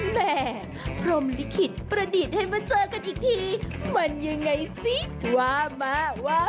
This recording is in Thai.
แต่พรมลิขิตประดิษฐ์ให้มาเจอกันอีกทีมันยังไงสิว่ามาว่า